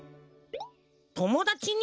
ともだちに？